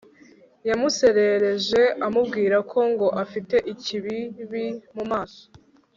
Yamuserereje amubwira ko ngo afite ikibibi mu maso